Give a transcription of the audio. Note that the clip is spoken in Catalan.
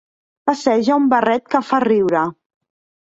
Passeja un barret que fa riure.